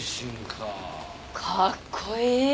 かっこいい！